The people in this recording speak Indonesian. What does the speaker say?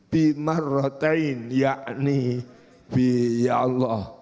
fil marratain ya'ani fil ya allah